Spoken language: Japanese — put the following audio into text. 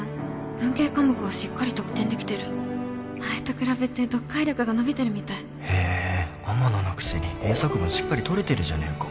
文系科目はしっかり得点できてる前と比べて読解力が伸びてるみたいへ天野のくせに英作文しっかり取れてるじゃねえか